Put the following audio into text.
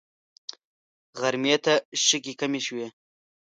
غرمې ته شګې کمې شوې.